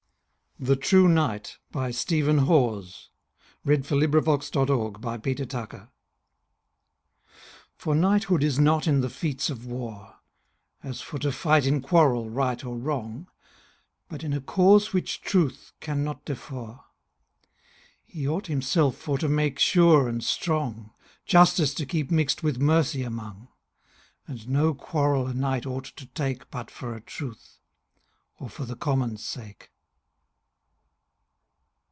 Book of English Verse: 1250ŌĆō1900. Stephen Hawes. d. 1523 32. The True Knight FOR knighthood is not in the feats of warre, As for to fight in quarrel right or wrong, But in a cause which truth can not defarre: He ought himself for to make sure and strong, Justice to keep mixt with mercy among: 5 And no quarrell a knight ought to take But for a truth, or for the common's sake.